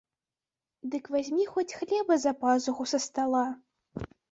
Дык вазьмі хоць хлеба за пазуху са стала.